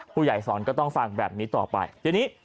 ผู้ใหญ่สอนก็ต้องฟังแบบนี้ต่อไปทีนี้